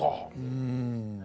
うん。